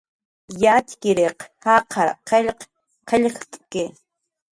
Yatxchiriq jaqar qillq qillqt'ki